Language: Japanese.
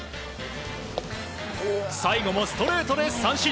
最後のストレートで三振。